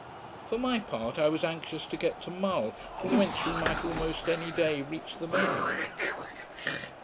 For my part, I was anxious to get to Mull, from whence we might almost any day reach the main land.